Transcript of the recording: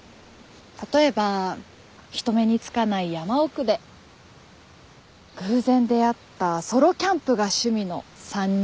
例えば人目につかない山奥で偶然出会ったソロキャンプが趣味の３人とか。